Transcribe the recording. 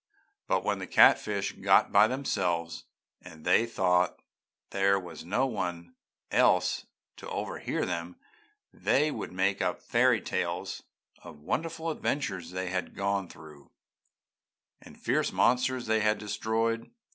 "But when the catfish got by themselves and they thought there was no one else to overhear them, they would make up fairy tales of wonderful adventures they had gone through, and fierce monsters they had destroyed.